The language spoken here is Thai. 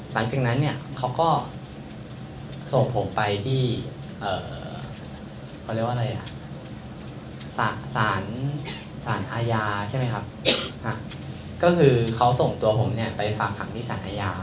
หลังจากนั้นเขาก็ส่งผมไปที่สารอาญาคือเขาส่งตัวผมไปฝากถังที่สารอาญา